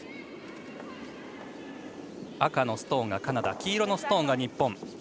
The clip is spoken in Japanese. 赤のストーンがカナダ黄色のストーンが日本。